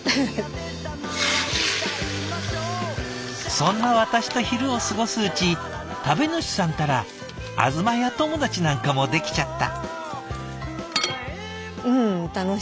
「そんな私と昼を過ごすうち食べ主さんったらあずまや友達なんかもできちゃった」。